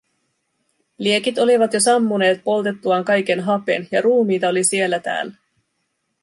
Liekit olivat jo sammuneet poltettuaan kaiken hapen, ja ruumiita oli siellä täällä.